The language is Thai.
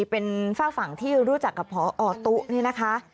เป็นฝากฝั่งที่รู้จักกับพอตุ๊นี่นะคะ